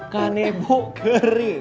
kan nebo kering